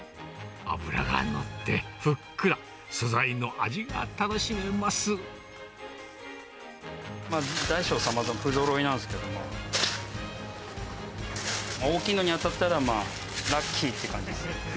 脂が乗ってふっくら、大小さまざま、不ぞろいなんですけども、大きいのに当たったらまあ、ラッキーって感じですね。